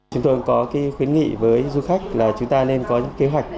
chúng tôi có khuyến nghị với du khách là chúng ta nên có những kế hoạch